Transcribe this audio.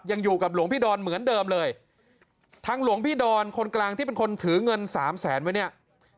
ยังอยู่กับหลวงพี่ดอนเหมือนเดิมเลย